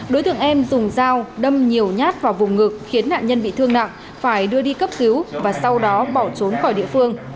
đối tượng em dùng dao đâm nhiều nhát vào vùng ngực khiến nạn nhân bị thương nặng phải đưa đi cấp cứu và sau đó bỏ trốn khỏi địa phương